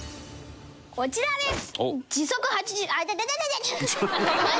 こちらです。